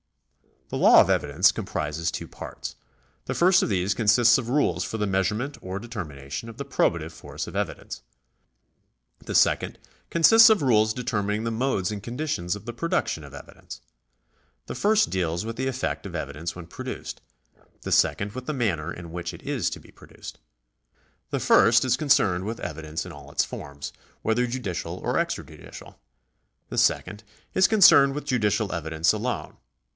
The law of evidence comprises two parts. The first of these consists of rules for the measurement or determination of the probative force of evidence. The second consists of rules determining the modes and conditions of the production of evidence. The first deals with the effect of evidence when produced, the second with the manner in which it is to be pro duced. The first is concerned with evidence in all its forms, whether judicial or extrajudicial ; the second is concerned with judicial evidence alone.